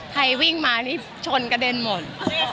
วิ่งมานี่ชนกระเด็นหมด